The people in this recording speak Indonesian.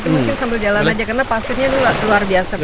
mungkin sambil jalan aja karena pasirnya luar biasa